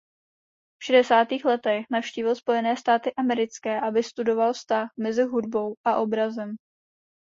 V šedesátých letech navštívil Spojené státy americké aby studoval vztah mezi hudbou a obrazem.